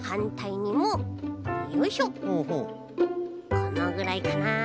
このぐらいかな。